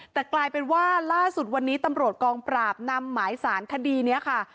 แต่กลายเป็นว่าล่าสุดวันนี้ตำรวจกองปราบนำหมายสารคดีนี้ค่ะ